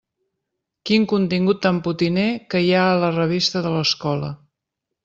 Quin contingut tan potiner que hi ha a la revista de l'escola!